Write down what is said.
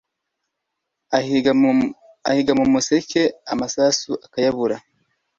Ahiga mu musekeAmasasu akayasobanura